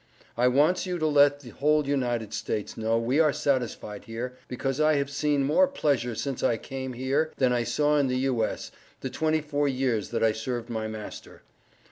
I wants you to let the whole United States know we are satisfied here because I have seen more Pleasure since I came here then I saw in the U.S. the 24 years that I served my master.